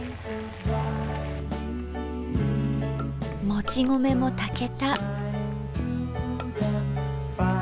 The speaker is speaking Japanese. もち米も炊けた。